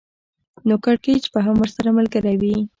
نو کړکېچ به هم ورسره ملګری وي